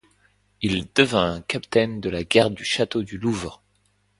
Il devint capitaine de la garde du château du Louvre.